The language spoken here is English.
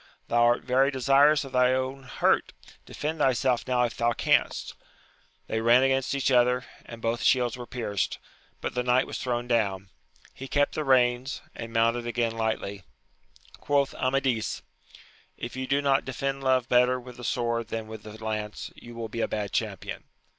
thou art very desirous of thy owp hurt : defend thyself now if thou canst ! They n 272 AMADIS OF GAUL. against each other, and both shields were pierced, but the knight was thrown down : he kept the reins, and mounted again lightly. Quoth Amadis, If you do not defend love better with the sword than with the lance, you will be a bad champion.